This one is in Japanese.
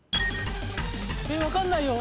分かんないよ。